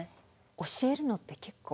教えるのって結構。